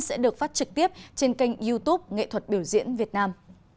sẽ được phát trực tiếp trên kênh youtube nghệ thuật biểu diễn việt nam